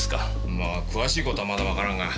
まあ詳しい事はまだわからんが。